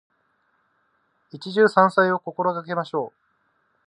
一汁三菜を心がけましょう。